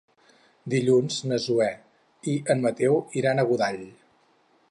Dilluns na Zoè i en Mateu iran a Godall.